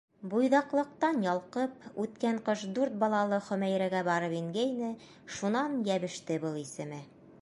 Буйҙаҡлыҡтан ялҡып, үткән ҡыш дүрт балалы Хөмәйрәгә барып ингәйне, шунан йәбеште был исеме.